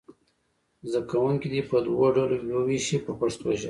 زده کوونکي دې په دوو ډلو وویشئ په پښتو ژبه.